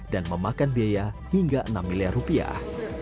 dan memakan biaya hingga enam miliar rupiah